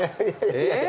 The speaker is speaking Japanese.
えっ？